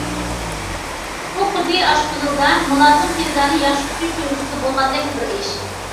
بۇ خۇددى ئاشپۇزۇلدا، مۇلازىم خېرىدارنى ياخشى كۈتۈش تۇيغۇسىدا بولغاندەكلا بىر ئىش.